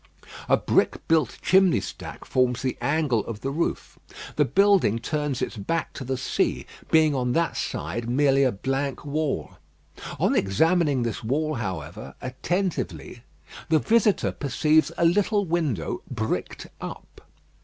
A brick built chimney stack forms the angle of the roof. The building turns its back to the sea, being on that side merely a blank wall. On examining this wall, however, attentively, the visitor perceives a little window bricked up.